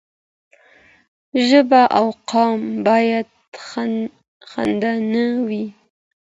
ژبه او قوم باید خنډ نه وي.